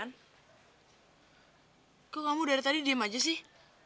kan kau kamu dari tadi diem aja sih